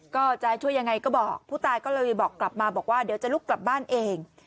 ก็จะช่วยยังไงก็บอกผู้ตายก็เลยบอกกลับมาบอกว่าเดี๋ยวจะลุกกลับบ้านเอง